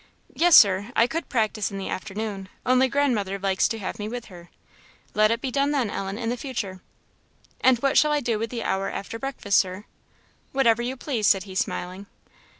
"Yes, Sir, I could practise in the afternoon, only grandmother likes to have me with her." "Let it be done then, Ellen, in future." "And what shall I do with the hour after breakfast, Sir?" "Whatever you please," said he, smiling.